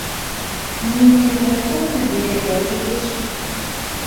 Мин һеҙгә күпме бирергә тейеш?